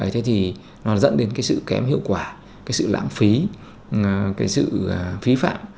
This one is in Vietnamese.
thế thì nó dẫn đến cái sự kém hiệu quả cái sự lãng phí cái sự phí phạm